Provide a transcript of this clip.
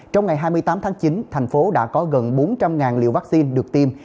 trong ngày hai mươi tám tháng chín thành phố đã có gần bốn trăm linh liều vaccine được tiêm